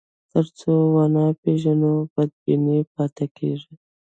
تر څو ونه پېژنو، بدبیني پاتې کېږي.